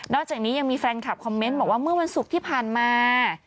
อกจากนี้ยังมีแฟนคลับคอมเมนต์บอกว่าเมื่อวันศุกร์ที่ผ่านมา